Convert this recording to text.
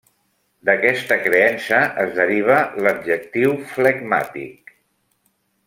D'aquesta creença es deriva l'adjectiu flegmàtic.